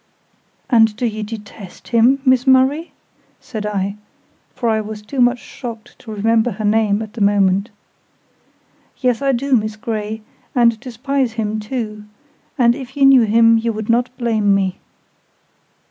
"And do you detest him, Miss Murray?" said I, for I was too much shocked to remember her name at the moment. "Yes, I do, Miss Grey, and despise him too; and if you knew him you would not blame me."